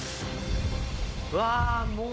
うわもう。